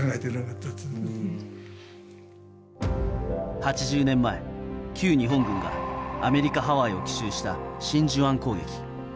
８０年前、旧日本軍がアメリカ・ハワイを奇襲した真珠湾攻撃。